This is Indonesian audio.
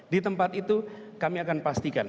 di tempat itu kami akan pastikan